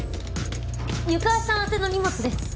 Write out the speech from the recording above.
湯川さん宛ての荷物です